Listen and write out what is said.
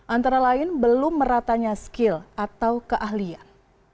antara lain belum meratanya skill atau keahlian